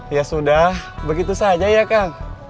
ya sudah begitu saja ya kang